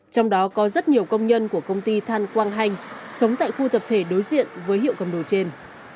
trong đó có rất nhiều công nhân của công ty than quang hanh sống tại khu tập thể đối diện với hiệu cầm đồ trên